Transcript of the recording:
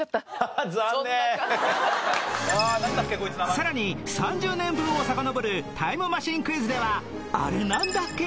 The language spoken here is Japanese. さらに３０年分をさかのぼるタイムマシンクイズではあれなんだっけ？